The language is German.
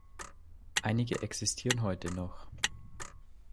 Einige existieren heute noch.